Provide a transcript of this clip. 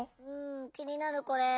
気になるこれ。